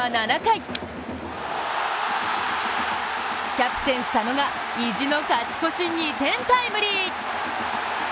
キャプテン・佐野が意地の勝ち越し２点タイムリー。